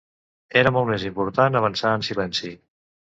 Era molt més important avançar en silenci.